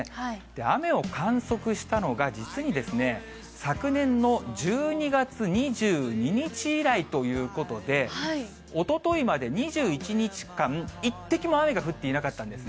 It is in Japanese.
雨を観測したのが、実に昨年の１２月２２日以来ということで、おとといまで２１日間、一滴も雨が降っていなかったんですね。